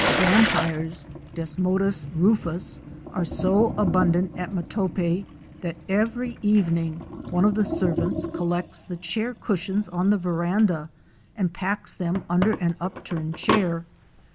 Vampires (Desmodus rufus) are so abundant at Matope that every evening one of the servants collects the chair cushions on the veranda and packs them under an up turned chair.